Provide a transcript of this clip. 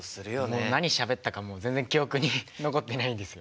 もう何しゃべったかもう全然記憶に残ってないんですよ。